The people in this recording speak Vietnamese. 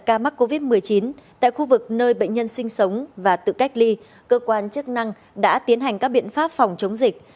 ca mắc covid một mươi chín tại khu vực nơi bệnh nhân sinh sống và tự cách ly cơ quan chức năng đã tiến hành các biện pháp phòng chống dịch